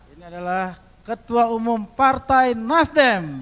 ini adalah ketua umum partai nasdem